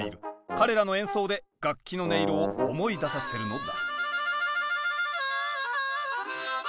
彼らの演奏で楽器の音色を思い出させるのだ。